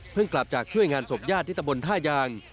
กลับจากช่วยงานศพญาติที่ตะบนท่ายาง